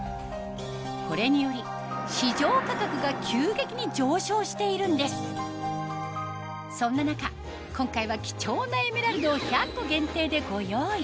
これにより急激にそんな中今回は貴重なエメラルドを１００個限定でご用意